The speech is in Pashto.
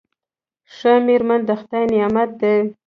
ښه میرمن د خدای نعمت دی.